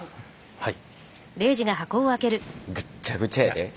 はい！